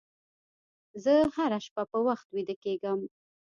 زه هره شپه په وخت ویده کېږم.